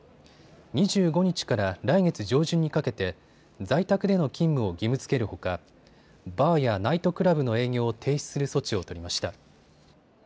２５日から来月上旬にかけて在宅での勤務を義務づけるほかバーやナイトクラブの営業を停止する措置を取りました。